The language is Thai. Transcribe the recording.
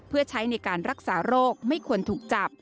เพื่อใช้ในการรักษาโรคไม่ควรถูกจับ